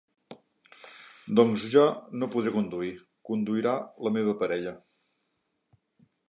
Doncs jo no podré conduir, conduirà la meva parella.